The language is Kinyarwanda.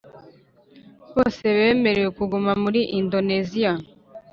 bose bemerewe kuguma muri Indoneziya